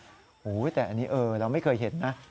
โอ้โหแต่อันนี้เราไม่เคยเห็นนะ